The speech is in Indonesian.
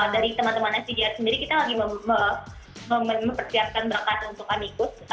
dari teman teman icpr sendiri kita lagi mempersiapkan berkat untuk amikus